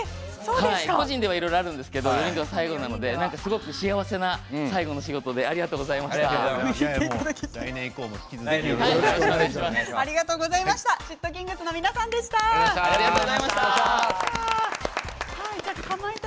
個人ではいろいろあるんですけど４人では最後なので幸せな最後の仕事でありがとうございました。